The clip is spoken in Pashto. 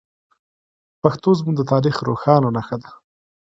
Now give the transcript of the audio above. پښتو زموږ د تاریخ روښانه نښه ده.